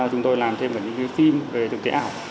và chúng tôi làm thêm những phim về thực tế ảo